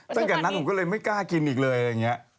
ตั้งแต่นั้นผมก็เลยไม่กล้ากินอีกเลย